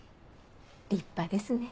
立派ですね。